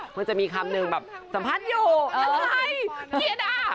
มันจะมีคำหนึ่งแบบสัมภาษณ์อยู่เอ้ยเครียดอ่ะ